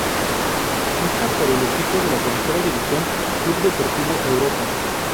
Ficha por el equipo de la Tercera División, Club Deportivo Europa.